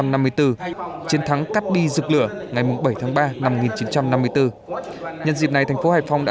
năm một nghìn chín trăm năm mươi bốn chiến thắng cát bi dược lửa ngày bảy tháng ba năm một nghìn chín trăm năm mươi bốn nhân dịp này thành phố hải phòng đã